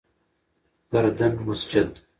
گردن مسجد: